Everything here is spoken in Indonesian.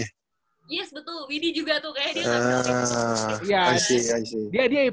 yes betul widi juga tuh kayaknya dia ngambil